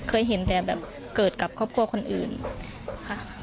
เคยเห็นแต่แบบเกิดกับครอบครัวคนอื่นค่ะ